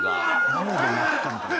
「何で泣くか？みたいな」